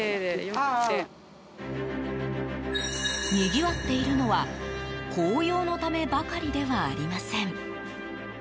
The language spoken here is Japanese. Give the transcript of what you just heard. にぎわっているのは紅葉のためばかりではありません。